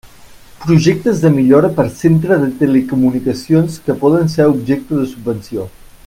Projectes de millora per centre de telecomunicacions que poden ser objecte de subvenció.